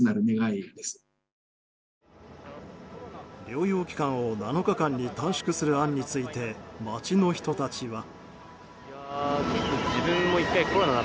療養期間を７日間に短縮する案について街の人たちは。